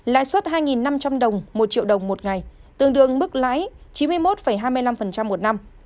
lãi suất hai năm trăm linh đồng một triệu đồng một ngày tương đương mức lãi chín mươi một hai mươi năm một năm